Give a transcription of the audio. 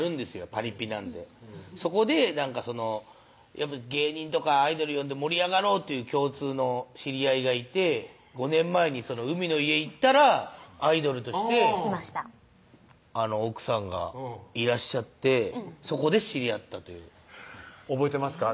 パリピなんでそこで芸人とかアイドル呼んで盛り上がろうという共通の知り合いがいて５年前に海の家行ったらアイドルとして奥さんがいらっしゃってそこで知り合ったという覚えてますか？